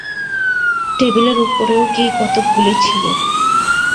টেবিলের উপরেও কী কতকগুলি ছিল।